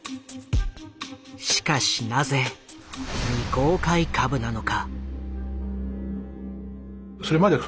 しかしなぜ未公開株なのか。